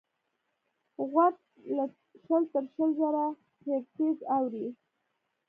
غوږ له شل تر شل زره هیرټز اوري.